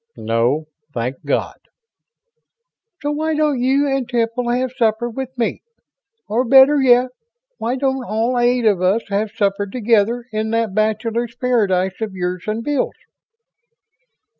"No, thank God." "So why don't you and Temple have supper with me? Or better yet, why don't all eight of us have supper together in that bachelors' paradise of yours and Bill's?"